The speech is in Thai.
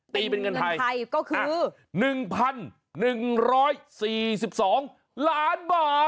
เป็นเงินไทยก็คือ๑๑๔๒ล้านบาท